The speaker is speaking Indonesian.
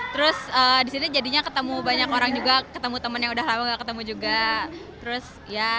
terus di sini jadinya ketemu banyak orang juga ketemu teman yang udah lama gak ketemu juga